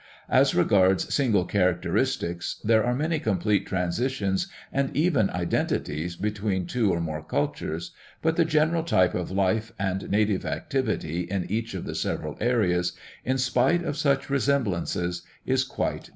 As regards single characteristics there are many complete transitions and even identities between two or more cultures. But the general type of life and native activity in each of the several areas, in spite of such resem blances, is quite distinct.